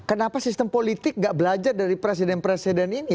kenapa sistem politik gak belajar dari presiden presiden ini